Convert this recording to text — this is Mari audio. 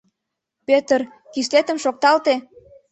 Пӧтыр, кӱслетым шокталте!